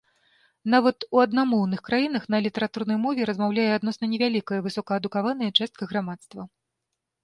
Нават у аднамоўных краінах на літаратурнай мове размаўляе адносна невялікая, высокаадукаваная частка грамадства.